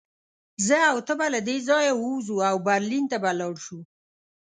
زه او ته به له دې ځایه ووځو او برلین ته به لاړ شو